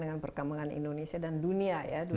dengan perkembangan indonesia dan dunia ya